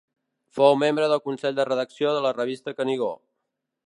Fou membre del consell de redacció de la revista Canigó.